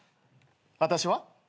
私は？